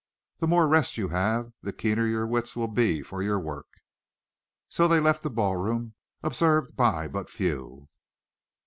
"The more rest you have the keener your wits will be for your work." So they left the ballroom, observed by but few.